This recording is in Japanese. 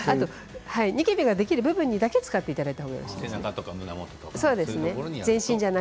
ニキビができる部分にだけ使っていただきたいですね